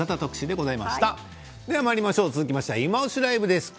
では続きまして「いまオシ！ＬＩＶＥ」です。